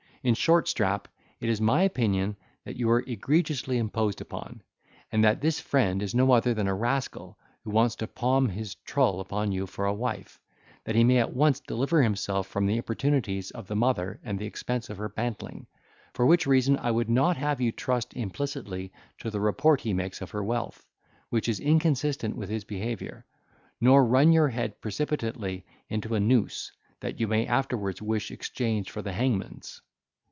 In short, Strap, it is my opinion, that you are egregiously imposed upon; and that this friend is no other than a rascal who wants to palm his trull upon you for a wife, that he may at once deliver himself from the importunities of the mother and the expense of her bantling; for which reason I would not have you trust implicitly to the report he makes of her wealth, which is inconsistent with his behaviour, nor run your head precipitately into a noose, that you may afterwards wish exchanged for the hangman's."